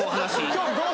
今日。